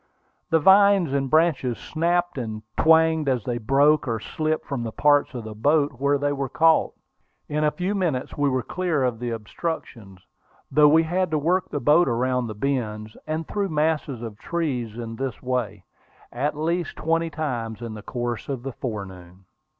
The vines and branches snapped and twanged as they broke or slipped from the parts of the boat where they were caught. In a few minutes we were clear of the obstructions, though we had to work the boat around the bends, and through masses of trees in this way, at least twenty times in the course of the forenoon.